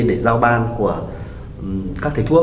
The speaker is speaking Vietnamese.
để giao ban các thầy thuốc